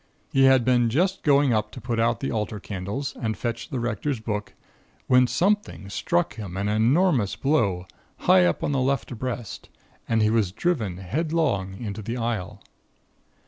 He had been just going up to put out the altar candles and fetch the Rector's book, when something struck him an enormous blow high up on the left breast and he was driven headlong into the aisle.